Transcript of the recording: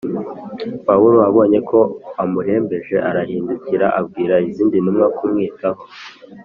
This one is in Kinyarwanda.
Pawulo abonye ko amurembeje arahindukira abwira izindi ntumwa kumwitaho